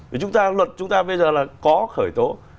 vì chúng ta luật chúng ta bây giờ là có khởi tố